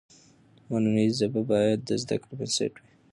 مورنۍ ژبه باید د زده کړې بنسټ وي.